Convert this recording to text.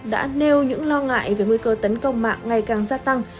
đã nêu những lo ngại về nguy cơ tấn công mạng ngày càng gia tăng